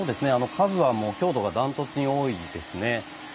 数は京都が断トツに多いですね。